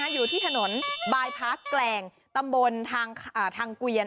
อยู่ที่ถนนบายพาร์แกลงตำบลทางเกวียน